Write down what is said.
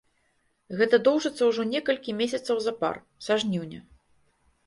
Гэта доўжыцца ўжо некалькі месяцаў запар, са жніўня.